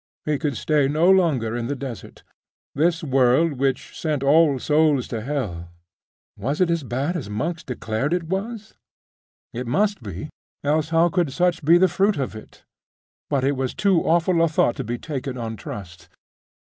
He could stay no longer in the desert. This world which sent all souls to hell was it as bad as monks declared it was? It must be, else how could such be the fruit of it? But it was too awful a thought to be taken on trust.